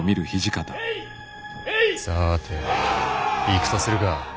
さぁて行くとするか。